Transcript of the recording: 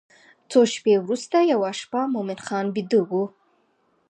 څو شپې وروسته یوه شپه مومن خان بیده و.